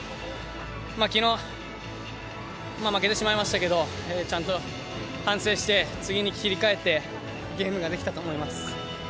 きのう、負けてしまいましたけど、ちゃんと反省して、次に切り替えて、ゲームができたと思います。